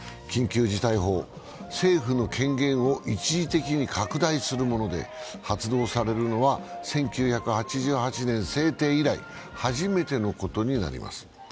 緊急事態法、政府の権限を一時的に拡大するもので、発動されるのは１９８８年制定以来初めてのことになります。